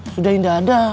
sudah indah ada